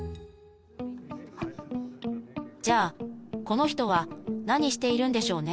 じゃあこの人は何しているんでしょうね